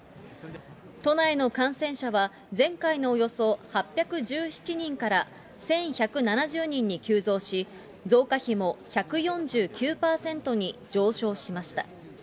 都内の感染者は、前回のおよそ８１７人から１１７０人に急増し、増加比も１４９％に上昇しました。